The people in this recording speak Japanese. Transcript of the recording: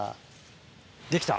できた？